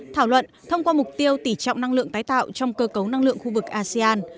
thảo luận thông qua mục tiêu tỉ trọng năng lượng tái tạo trong cơ cấu năng lượng khu vực asean